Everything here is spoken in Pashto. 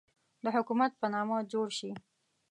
د حکومت په نامه جوړ شي.